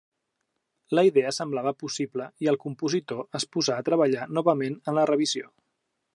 La idea semblava possible i el compositor es posà a treballar novament en la revisió.